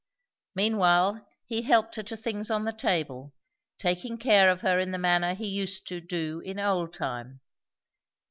Meanwhile he helped her to things on the table, taking care of her in the manner he used to do in old time.